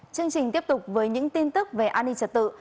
chương trình tiếp tục với những tin tức về an ninh trật tự